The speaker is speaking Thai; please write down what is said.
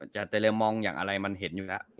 แต่เรามองอย่างอะไรมันเห็นอยู่แล้ว